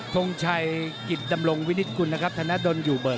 ทงชัยกิจดำรงวินิตคุณนะครับธนดลอยู่เบิก